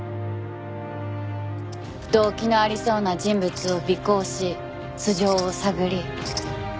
動機のありそうな人物を尾行し素性を探り。